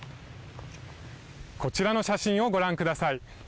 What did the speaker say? こちらの写真をご覧ください。